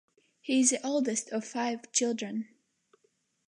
He is the oldest of five children.